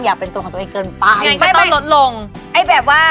อย่าเป็นตัวของตัวเองเกินไป